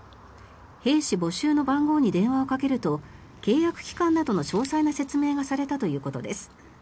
兵士募集の番号に電話をかけると契約期間などの詳細な説明がされたということです。